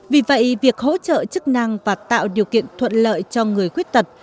vì vậy việc hỗ trợ chức năng và tạo điều kiện thuận lợi cho người khuyết tật